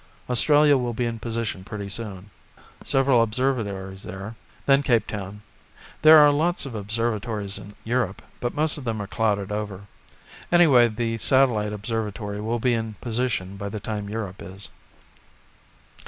Australia will be in position pretty soon. Several observatories there. Then Capetown. There are lots of observatories in Europe, but most of them are clouded over. Anyway the satellite observatory will be in position by the time Europe is."